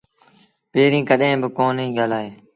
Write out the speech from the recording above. پيريݩ ڪڏهين با ڪونهيٚ ڳآلآئي